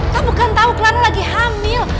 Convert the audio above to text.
kamu kan tau clara lagi hamil